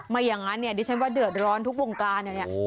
อย่างนั้นเนี่ยดิฉันว่าเดือดร้อนทุกวงการเนี่ย